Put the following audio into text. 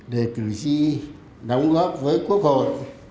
để cử tri đóng góp với quốc hội